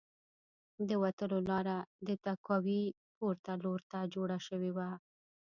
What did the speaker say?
د وتلو لاره د تهکوي پورته لور ته جوړه شوې وه